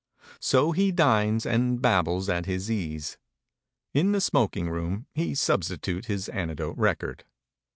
So he dines and babbles at his ease. In the smoking room he substitutes his anecdote record.